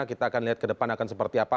kita akan lihat ke depan akan seperti apa